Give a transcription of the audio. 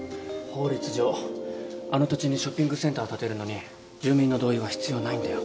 法律上あの土地にショッピングセンター建てるのに住民の同意は必要ないんだよ。